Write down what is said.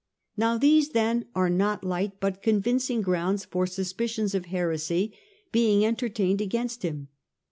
" Now these then are not light but convincing grounds for suspicions of heresy being entertained against him.